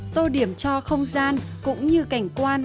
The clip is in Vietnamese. tô điểm cho không gian cũng như cảnh quan